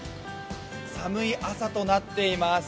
寒い朝となっています。